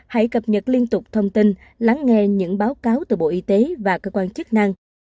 hãy cập nhật liên tục thông tin lắng nghe những báo cáo từ bộ y tế và cơ quan chức năng